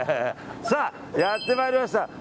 やってまいりました